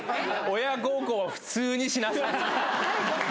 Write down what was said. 親孝行は普通にしなさい。